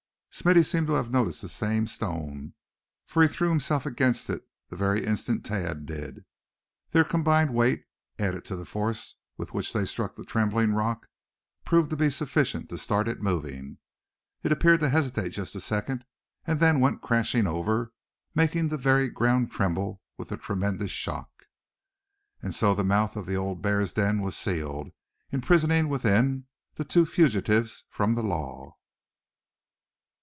Smithy seemed to have noticed the same stone, for he threw himself against it at the very instant Thad did. Their combined weight, added to the force with which they struck the trembling rock, proved to be sufficient to start it moving. It appeared to hesitate just a second, and then went crashing over, making the very ground tremble with the tremendous shock. And so the mouth of the old bear's den was sealed, imprisoning within, the two fugitives from the law.